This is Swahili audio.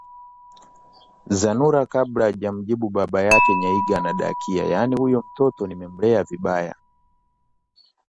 Zanura kabla hajamjibu baba yake Nyajige anadakia yaani huyo mtoto nimemlea vibaya